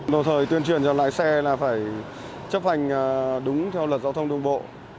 đồng thời tuyên truyền cho lái xe là phải chấp hành đúng theo luật giao thông đường bộ